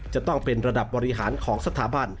จะต้องเป็นระดับบริหารของสถาบัน